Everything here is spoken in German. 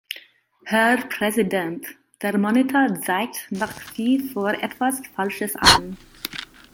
Herr Präsident! Der Monitor zeigt nach wie vor etwas Falsches an.